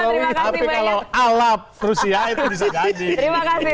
tapi kalau alam rusia itu bisa gaji